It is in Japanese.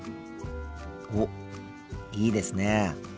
おっいいですね。